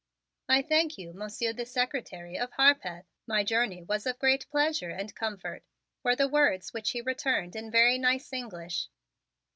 "I thank you, Monsieur the Secretary of Harpeth; my journey was of great pleasure and comfort," were the words which he returned in very nice English.